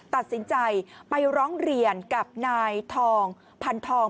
ตัดสินใจไปร้องเรียนกับนายทองพันธอง